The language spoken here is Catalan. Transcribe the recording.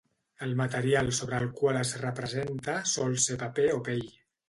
El material sobre el qual es representa sol ser paper o pell.